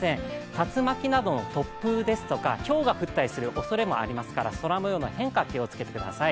竜巻などの突風ですとか、ひょうが降ったりするおそれもありますから、空もようの変化、気をつけてください。